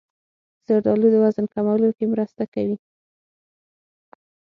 زردالو د وزن کمولو کې مرسته کوي.